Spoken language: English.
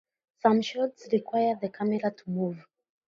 Some shots require the camera to move.